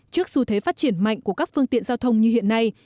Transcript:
trước xu thế phát triển mạnh của các phương tiện giao thông như hiện nay